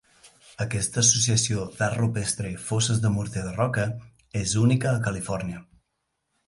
Aquesta associació d'art rupestre i fosses de morter de roca és única a Califòrnia.